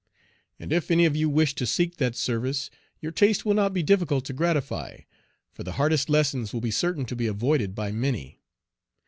And if any of you wish to seek that service your taste will not be difficult to gratify, for the hardest lessons will be certain to be avoided by many.